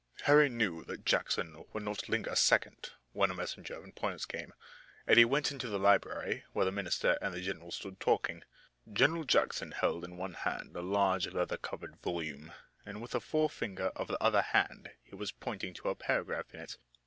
Harry knew that Jackson would not linger a second, when a messenger of importance came, and he went into the library where the minister and the general stood talking. General Jackson held in one hand a large leather covered volume, and with the forefinger of the other hand he was pointing to a paragraph in it.